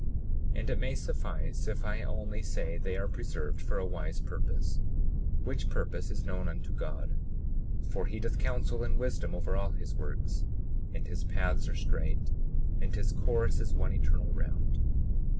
37:12 And it may suffice if I only say they are preserved for a wise purpose, which purpose is known unto God; for he doth counsel in wisdom over all his works, and his paths are straight, and his course is one eternal round.